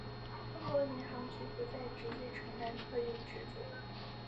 中国民航局不再直接承担客运职责。